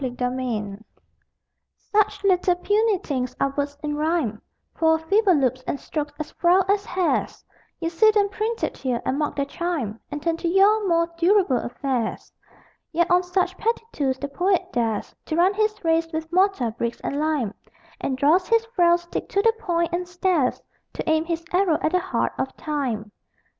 QUICKENING Such little, puny things are words in rhyme: Poor feeble loops and strokes as frail as hairs; You see them printed here, and mark their chime, And turn to your more durable affairs. Yet on such petty tools the poet dares To run his race with mortar, bricks and lime, And draws his frail stick to the point, and stares To aim his arrow at the heart of Time.